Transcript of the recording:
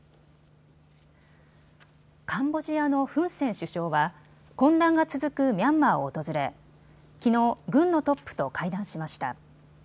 カンボジアのフン・セン首相は混乱が続くミャンマーを訪れきのう、軍のトップと会談しました。